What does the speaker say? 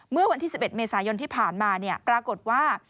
เมื่อวันที่๑๑เมษายนที่ผ่านมาปรากฏว่า